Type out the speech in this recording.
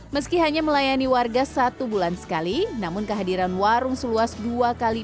meski hanya melayani warga satu bulan sekali namun kehadiran warung seluas dua kali